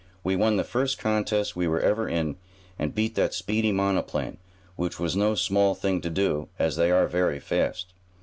"We won the first contest we were ever in, and beat that speedy monoplane, which was no small thing to do, as they are very fast."